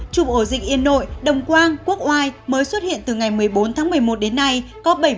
chùm ổ dịch yên nội đồng quang quốc oai mới xuất hiện từ ngày một mươi bốn tháng một mươi một đến nay có bảy mươi tám ca